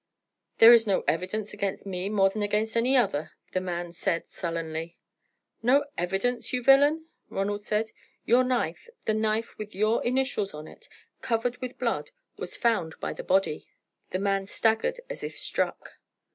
"There is no evidence against me more than against another," the man said, sullenly. "No evidence, you villain?" Ronald said. "Your knife the knife with your initials on it covered with blood, was found by the body." The man staggered as if struck.